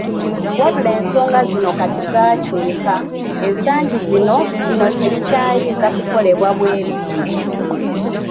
"Wabula ensonga zino kati zaakyuka, ensangi zino bino tebikyayinza kukolebwa bwe biti."